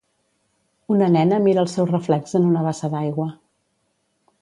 Una nena mira el seu reflex en una bassa d'aigua.